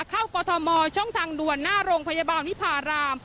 กรทมช่องทางด่วนหน้าโรงพยาบาลวิพาราม